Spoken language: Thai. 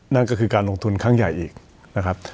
นั่นก็คือการลงทุนครั้งใหญ่อีกนะครับ